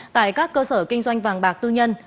tại các cơ sở kinh doanh vàng bạc tư nhân